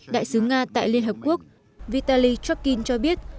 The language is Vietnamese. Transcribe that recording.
đại sứ nga tại liên hợp quốc vitaly chokin cho biết